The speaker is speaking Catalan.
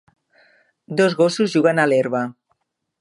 Dos gossos juguen a l'herba.